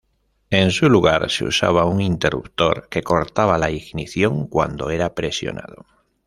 En su lugar, se usaba un interruptor que cortaba la ignición cuando era presionado.